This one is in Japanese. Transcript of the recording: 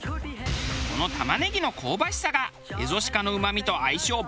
この玉ねぎの香ばしさがエゾシカのうまみと相性抜群なのです。